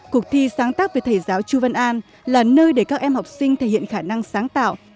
cuộc thi sáng tác về thầy giáo chu văn an là nơi để các em học sinh thể hiện khả năng sáng tạo